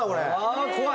あ怖い！